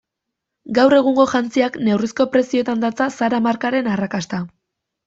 Gaur egungo jantziak neurrizko prezioetan datza Zara markaren arrakasta.